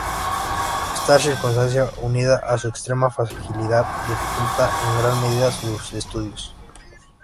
Esta circunstancia, unida a su extrema fragilidad dificulta en gran medida su estudio.